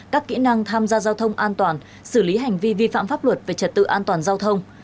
các kỹ năng tham gia giao thông an toàn xử lý hành vi vi phạm pháp luật về trật tự an toàn giao thông